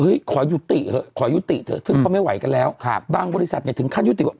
ขอยุติเถอะขอยุติเถอะซึ่งเขาไม่ไหวกันแล้วครับบางบริษัทเนี่ยถึงขั้นยุติว่า